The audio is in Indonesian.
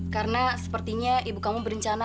karena sepertinya ibu kamu berencana